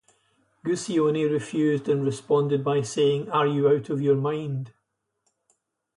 Guccione refused and responded by saying Are you out of your mind?